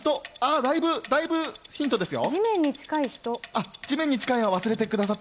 だいぶヒントですよ。